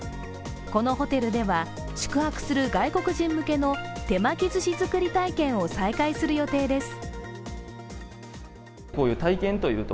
このホテルでは宿泊する外国人向けの手巻きずし作り体験を再開する予定です。